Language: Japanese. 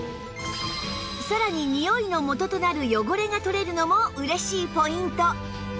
さらにニオイの元となる汚れが取れるのも嬉しいポイント